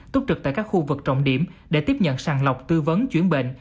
túc trực tại các khu vực trọng điểm để tiếp nhận sàng lọc tư vấn chuyển bệnh